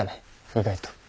意外と。